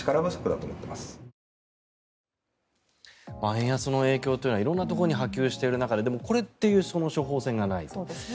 円安の影響というのは色んなところに波及している中ででも、これっていう処方せんがない。